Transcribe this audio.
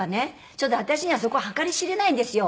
ちょっと私にはそこ計り知れないんですよ。